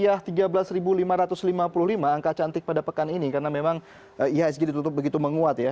angka cantik pada pekan ini karena memang ihsg ditutup begitu menguat ya